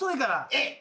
えっ？